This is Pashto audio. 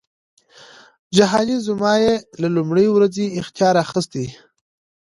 جهانی زما یې له لومړۍ ورځی اختیار اخیستی